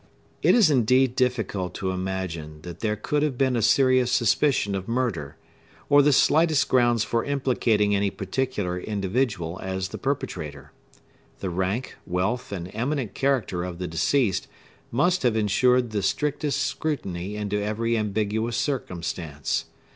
It is indeed difficult to imagine that there could have been a serious suspicion of murder, or the slightest grounds for implicating any particular individual as the perpetrator. The rank, wealth, and eminent character of the deceased must have insured the strictest scrutiny into every ambiguous circumstance.